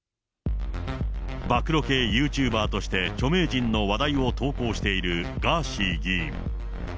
暴露系ユーチューバーとして著名人の話題を投稿しているガーシー議員。